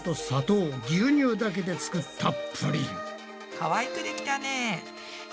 かわいくできたね。